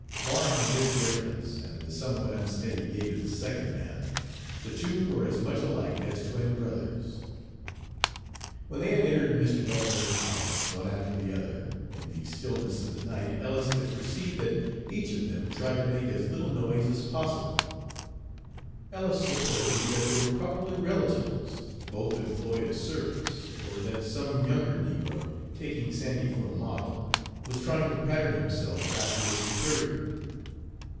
Barring this difference, and the somewhat unsteady gait of the second man, the two were as much alike as twin brothers. When they had entered Mr. Delamere's house, one after the other, in the stillness of the night Ellis could perceive that each of them tried to make as little noise as possible, Ellis supposed that they were probably relatives, both employed as servants, or that some younger negro, taking Sandy for a model, was trying to pattern himself after his superior.